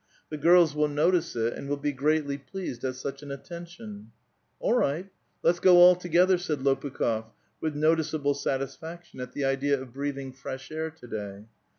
The girls will notice it, and will be greatly pleased at such an atten tion." "All right; let's go all together," said Lopukh6f, with noticeable satisfaction at the idea of breathing fresh air to day.